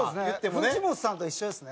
藤本さんと一緒ですね。